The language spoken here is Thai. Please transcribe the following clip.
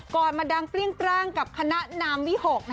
ก่อนมาดังเปรียงกรรมกับคณะนามวิหก